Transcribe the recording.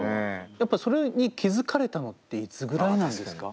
やっぱそれに気付かれたのっていつぐらいなんですか？